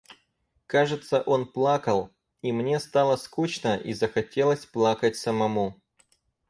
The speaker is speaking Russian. Кажется, он плакал; и мне стало скучно и захотелось плакать самому.